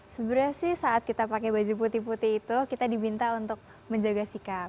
sebenarnya sih saat kita pakai baju putih putih itu kita diminta untuk menjaga sikap